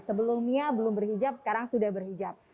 sebelumnya belum berhijab sekarang sudah berhijab